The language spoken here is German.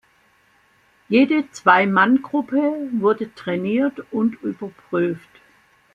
Jede Zwei-Mann-Gruppe wurde trainiert und überprüft.